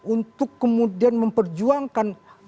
untuk kemudian memperjuangkan